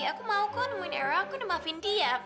aku mau aku nemuin eram aku nemuin findi ya